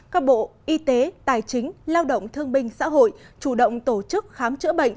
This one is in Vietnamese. các bộ y tế tài chính lao động thương binh xã hội chủ động tổ chức khám chữa bệnh